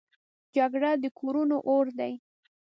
جګړه د کورونو اور دی